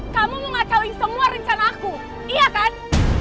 kamu mau ngacauin semua rencana aku iya kan